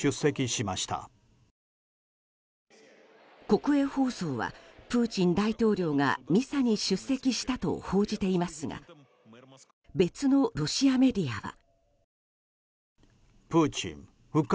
国営放送はプーチン大統領がミサに出席したと報じていますが別のロシアメディアは。